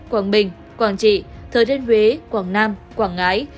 quảng bình quảng trị thời đến huế quảng nam quảng ngãi